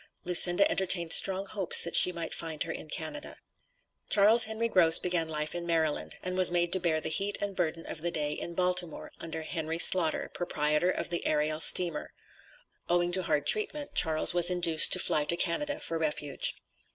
Lucinda entertained strong hopes that she might find her in Canada. Charles Henry Gross began life in Maryland, and was made to bear the heat and burden of the day in Baltimore, under Henry Slaughter, proprietor of the Ariel Steamer. Owing to hard treatment, Charles was induced to fly to Canada for refuge.